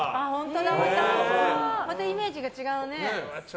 またイメージが違うね。